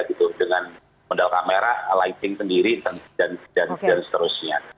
gitu dengan modal kamera lighting sendiri dan seterusnya